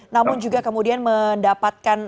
namun juga kemudian mendapatkan